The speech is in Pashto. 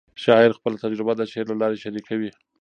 شاعر خپل تجربه د شعر له لارې شریکوي.